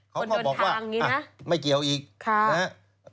เขาก็บอกว่าไม่เกี่ยวอีกนะครับคนเดินทางอย่างนี้นะ